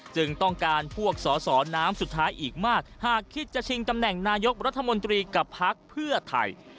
ต้องการพวกสอสอน้ำสุดท้ายอีกมากหากคิดจะชิงตำแหน่งนายกรัฐมนตรีกับพักเพื่อไทย